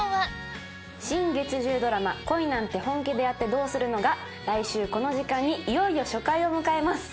新月１０ドラマ「恋なんて、本気でやってどうするの？」が来週この時間にいよいよ初回を迎えます。